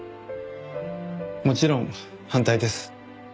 もちろん反対です。